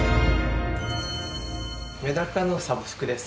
メダカのサブスクです。